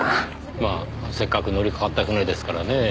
まあせっかく乗りかかった船ですからねぇ